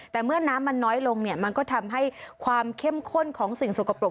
แต่เมื่อน้ำมันน้อยลงเนี่ยมันก็ทำให้ความเข้มข้นของสิ่งสกปรก